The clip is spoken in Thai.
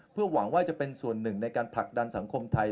เพื่อหวังว่าจะเป็นส่วนหนึ่งในการผลักดันสังคมไทย